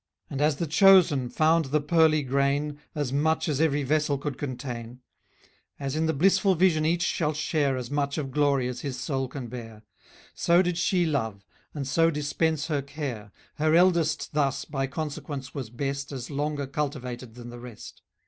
And as the chosen found the pearly grain As much as every vessel could contain; As in the blissful vision each shall share } As much of glory as his soul can bear; } So did she love, and so dispense her care. } Her eldest thus, by consequence, was best, As longer cultivated than the rest.